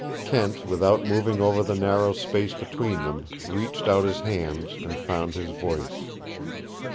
Kent, without moving over the narrow space between them, reached out his hands and found his voice.